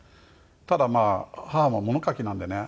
ただ母も物書きなんでね